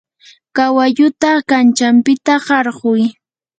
kawalluta kanchapita qarquy.